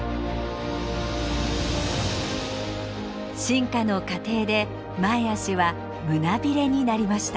進化の過程で前足は胸びれになりました。